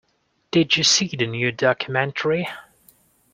Did you see the new documentary?